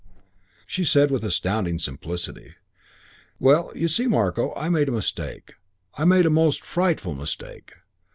She said with astounding simplicity, "Well, you see, Marko, I made a mistake. I made a most frightful mistake.